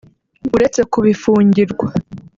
"Uretse kubifungirwa